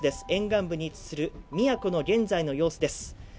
沿岸部に位置する宮古の現在の様子です。